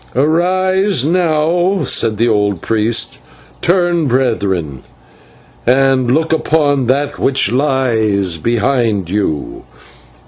"Arise now," said the old priest, "turn, Brethren, and look upon that which lies behind you."